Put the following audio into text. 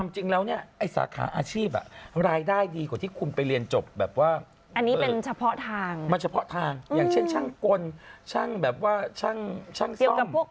จะบอกว่าทุกวันนี้คนเรางวันจะเลือก